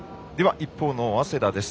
一方の早稲田です。